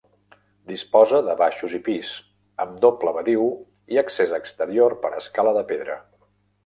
Disposa de baixos i pis, amb doble badiu i accés exterior per escala de pedra.